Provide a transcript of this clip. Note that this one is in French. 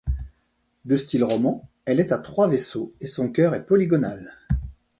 De style roman, elle est à trois vaisseaux et son chœur est polygonal.